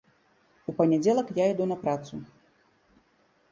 У панядзелак я іду на працу.